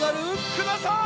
ください！